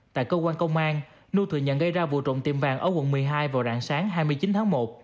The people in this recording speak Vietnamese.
tại cơ quan công an nư thừa nhận gây ra vụ trộm tiệm vàng ở quận một mươi hai vào rạng sáng hai mươi chín tháng một